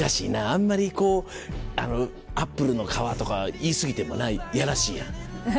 あんまり「アップルの皮」とか言い過ぎてもなやらしいやん。